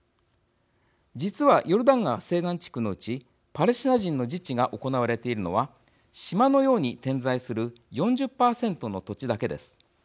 実は、ヨルダン川西岸地区のうちパレスチナ人の自治が行われているのは島のように点在する４０％の土地だけです。